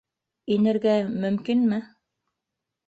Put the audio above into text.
Инергә... мөмкинме?